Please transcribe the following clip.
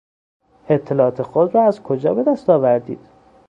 اطلاعات خود را از کجا به دست آوردید؟